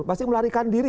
pasti melarikan diri